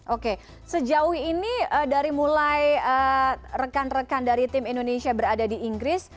oke sejauh ini dari mulai rekan rekan dari tim indonesia berada di inggris